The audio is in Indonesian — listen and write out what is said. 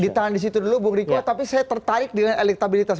ditahan di situ dulu bung riko tapi saya tertarik dengan elektabilitas